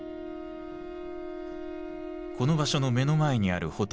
この場所の目の前にあるホテル